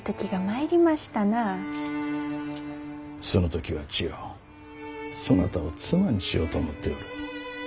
その時は千代そなたを妻にしようと思っておる。